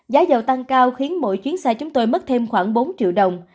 giá dầu tăng cao khiến mỗi chuyến xe chúng tôi mất thêm khoảng bốn triệu đồng